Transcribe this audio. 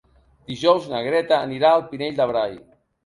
Dijous na Greta anirà al Pinell de Brai.